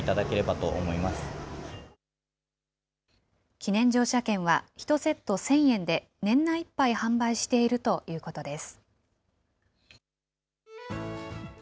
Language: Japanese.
記念乗車券は、１セット１０００円で年内いっぱい販売しているということです。